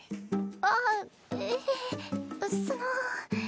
ああっええその。